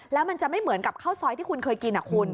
แล้วมันจะไม่เหมือนกับข้าวซอยที่คุณเคยกินคุณ